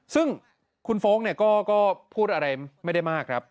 ซึ่งคุณโฟลกก็พูดอะไรไม่ได้มากครับ